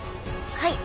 はい。